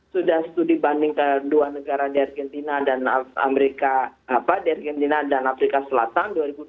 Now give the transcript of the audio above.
sudah studi banding kedua negara di argentina dan amerika selatan dua ribu dua belas